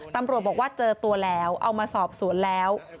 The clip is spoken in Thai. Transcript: ตำรวจบอกว่าเจอตัวแล้วเอามาสอบสวนแล้ว